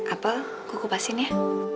apa kukupasin ya